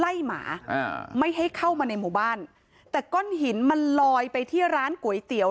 หมาอ่าไม่ให้เข้ามาในหมู่บ้านแต่ก้อนหินมันลอยไปที่ร้านก๋วยเตี๋ยว